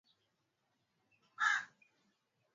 Milioni tisa kutokana na kuiuzia Kenya bidhaa zake